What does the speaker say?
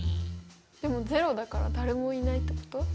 でも０だから誰もいないってこと？